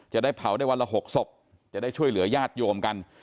จะได้เผาได้วันละ๖ศพจะได้ช่วยเหลือญาติโยมกัน